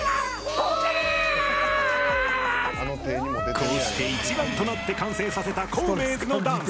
こうして一丸となって完成させたコウメーズのダンス。